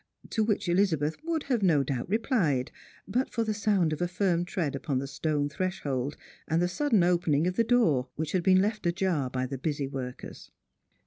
To which Eliza beth would have no doubt replied, but for the sound of a firm tread upon the stone threshold, and the sudden opening of the door, which had been left ajar by the busy workers.